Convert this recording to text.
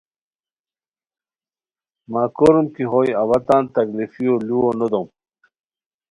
مہ کوروم کی ہوئے اوا تان تکلیفیو لوؤ نو دوم